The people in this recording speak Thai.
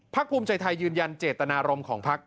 ภูมิใจไทยยืนยันเจตนารมณ์ของพัก